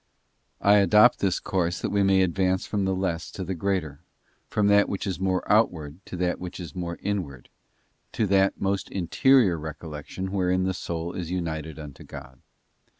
I adopt this course that we may advance from the less to the greater— from that which is more outward to that which is more inward—to that most interior recollection wherein the soul is united unto God.